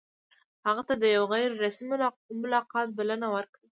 هغه ته د یوه غیر رسمي ملاقات بلنه ورکړه.